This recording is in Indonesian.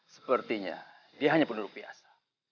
sepertinya dia hanya penduduk biasa